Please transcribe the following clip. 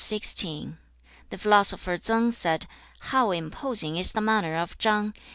XVI. The philosopher Tsang said, 'How imposing is the manner of Chang!